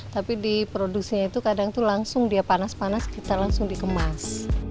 tapi di produksinya itu kadang itu langsung dia panas panas kita langsung dikemas